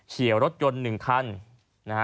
เฉียวรถยนต์๑คัน